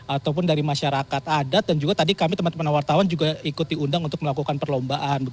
ataupun dari masyarakat adat dan juga tadi kami teman teman wartawan juga ikut diundang untuk melakukan perlombaan